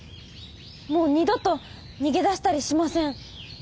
もう二度と逃げ出したりしません。